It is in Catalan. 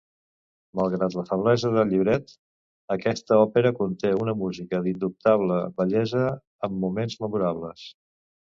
Malgrat la feblesa del llibret, aquesta òpera conté una música d'indubtable bellesa amb moments memorables.